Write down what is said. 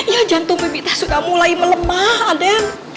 ya jantung bibitnya sudah mulai melemah aden